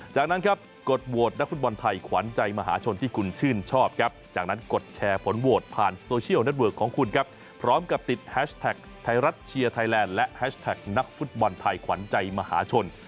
จากนั้นครับกดโหวตนักฟุตบอลไทยขวานใจมหาชน